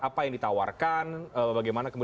apa yang ditawarkan bagaimana